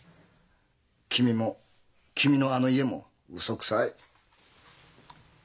君も君のあの家もウソくさい。